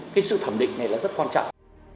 cái sự thẩm định này là rất quan trọng